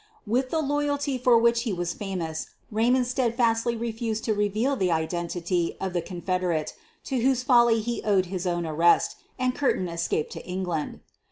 With the loyalty for which he was famous Raymond steadfastly refused to reveal the identity of the confederate to whose folly he owed his own arrest, and Curtin escaped to England.